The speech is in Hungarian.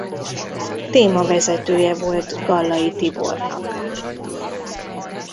Témavezetője volt Gallai Tibornak.